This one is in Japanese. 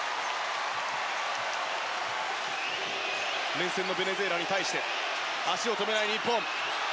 連戦のベネズエラに対して足を止めない日本。